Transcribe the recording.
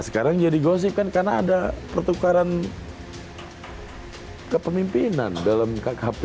karena ada pertukaran kepemimpinan dalam kkp